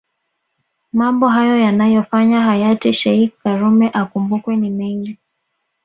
Mambo hayo yanayofanya hayati sheikh karume akumbukwe ni mengi